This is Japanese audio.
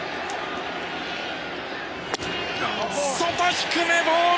外、低め、ボール。